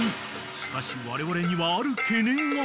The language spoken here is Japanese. ［しかしわれわれにはある懸念が］